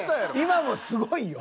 今もすごいよ。